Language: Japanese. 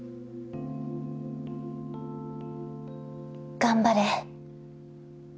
頑張れ。